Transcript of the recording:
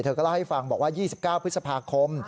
ก็เล่าให้ฟังบอกว่า๒๙พฤษภาคม